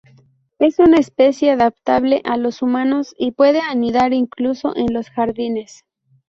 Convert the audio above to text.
Es una especie adaptable a los humanos y puede anidar incluso en los jardines.